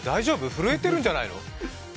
震えてるんじゃないの？